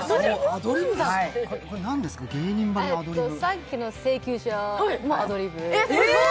さっきの請求書もアドリブ。